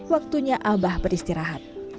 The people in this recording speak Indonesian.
waktunya abah beristirahat